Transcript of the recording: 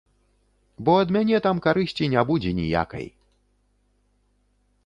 Бо ад мяне там карысці не будзе ніякай.